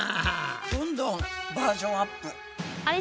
どんどんバージョンアップ。